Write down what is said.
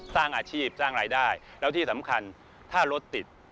สร้างอาชีพสร้างรายได้แล้วที่สำคัญถ้ารถติด